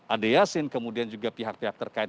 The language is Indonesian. ade yasin kemudian juga pihak pihak terkait